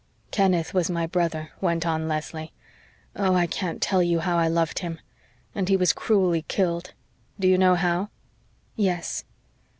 "Kenneth was my brother," went on Leslie. "Oh, I can't tell you how I loved him. And he was cruelly killed. Do you know how?" "Yes."